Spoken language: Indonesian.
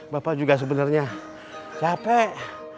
bapak juga sebenernya capek